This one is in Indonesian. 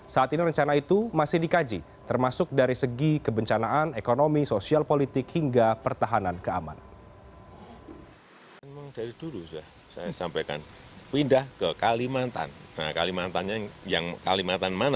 saat ini rencana itu diperkirakan untuk memulai pemindahan ibu kota indonesia ke kalimantan